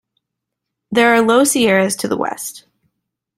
There are low sierras to the west.